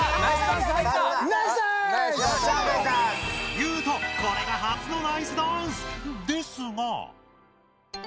ユウトこれが初のナイスダンス！ですが。